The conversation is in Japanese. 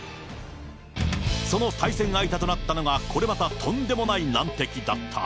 その対戦相手となったのが、これまたとんでもない難敵だった。